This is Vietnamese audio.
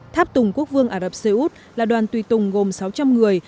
tháp tùng quốc vương ả rập xê út là đoàn tùy tùng gồm sáu trăm linh người